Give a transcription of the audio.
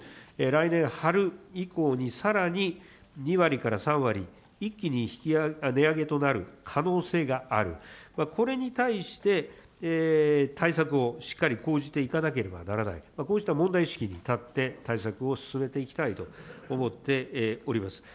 来年春以降に、さらに２割から３割、一気に値上げとなる可能性がある、これに対して、対策をしっかり講じていかなければならない、こうした問題意識に立って対策を進めていきたいと思っております。